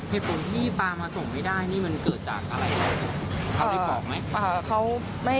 เหตุผลที่ปลามาส่งไม่ได้นี่มันเกิดจากอะไรครับผมเขาได้บอกไหม